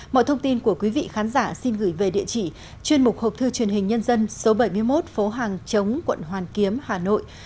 mọi thông tin của quý vị khán giả xin gửi về địa chỉ chuyên mục hộp thư truyền hình nhân dân số bảy mươi một phố hàng chống quận hoàn kiếm hà nội